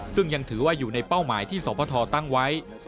ซึ่งยังถือว่าอยู่ในเป้าหมายที่สพตั้งไว้